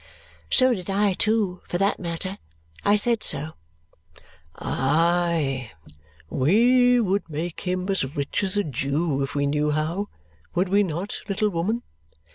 So did I too, for that matter. I said so. "Aye! We would make him as rich as a Jew if we knew how. Would we not, little woman?"